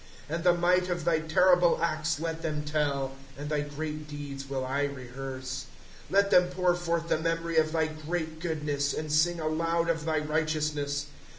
« And the might of thy terrible acts let them tell ; And thy great deeds will I rehearse. ^ Let them pour forth the memory of thy great goodness. And sing aloud of thy righteousness.